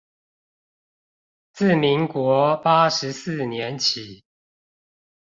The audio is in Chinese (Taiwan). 自民國八十四年起